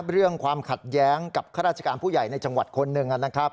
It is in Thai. เรื่องความขัดแย้งกับท่าราชการผู้ใหญ่ในจังหวัดคนหนึ่ง